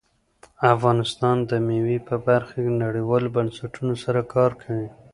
افغانستان د مېوې په برخه کې نړیوالو بنسټونو سره کار کوي.